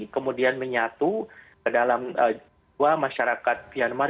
kemudian menyatu ke dalam dua masyarakat myanmar